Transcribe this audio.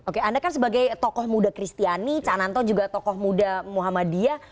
oke anda kan sebagai tokoh muda kristiani cak nanto juga tokoh muda muhammadiyah